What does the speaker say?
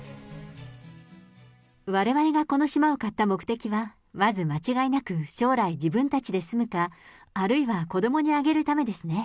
われわれがこの島を買った目的は、まず間違いなく将来、自分たちで住むか、あるいは子どもにあげるためですね。